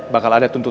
bakal ada tuntutan